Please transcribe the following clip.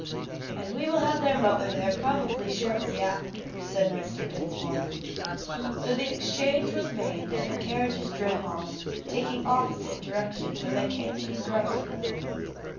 "And we will have their mother there probably shortly after," said Mr. Dinsmore. So the exchange was made and the carriages drove on, taking opposite directions when they came to the cross road.